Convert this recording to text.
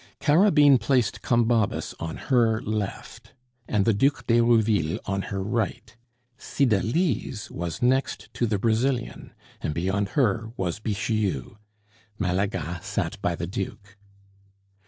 Carabine placed Combabus on her left, and the Duc d'Herouville on her right. Cydalise was next to the Brazilian, and beyond her was Bixiou. Malaga sat by the Duke.